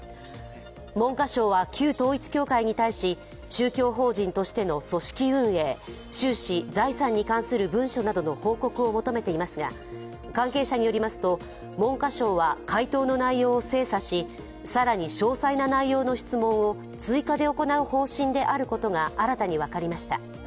文科省は旧統一教会に対し、宗教法人としての組織運営、収支・財産に関する文書などの報告を求めていますが、関係者によりますと文科省は回答の内容を精査し更に詳細な内容の質問を追加で行う方針であることが新たに分かりました。